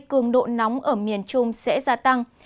cường độ nóng ở miền trung sẽ gia tăng